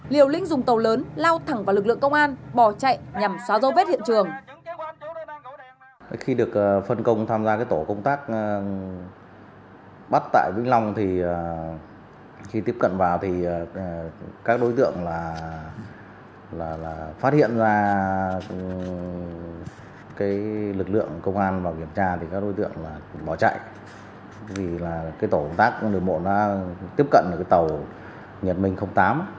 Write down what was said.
liều linh dùng tàu lớn lao thẳng vào lực lượng công an bỏ chạy nhằm xóa râu vết hiện trường